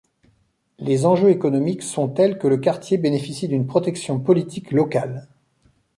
Les enjeux économiques sont tels que le quartier bénéficie d'une protection politique locale.